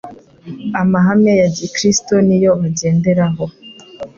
amahame ya gikristo niyo bagenderaho